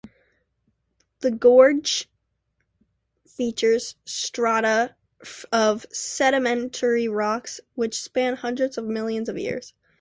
The gorge features strata of sedimentary rocks which span hundreds of millions of years.